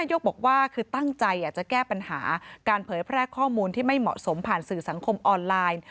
ยกบอกว่าคือตั้งใจจะแก้ปัญหาการเผยแพร่ข้อมูลที่ไม่เหมาะสมผ่านสื่อสังคมออนไลน์